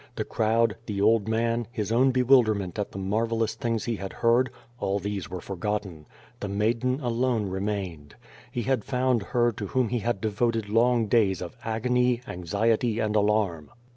The crowd, the old man, his own bewilderment at the marvelous things he had heard, all these were forgotten. The maiden alone remained. He had found her to whom he had devoted long days of agony, anxiety and alarm.